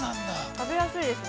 ◆食べやすいですね。